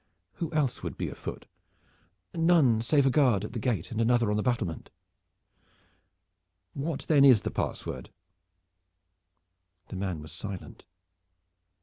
"Who else would be afoot?" "No one save a guard at the gate and another on the battlement." "What then is the password?" The man was silent.